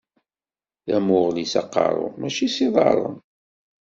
Tamuɣli s aqeṛṛu, mačči s iḍaṛṛen.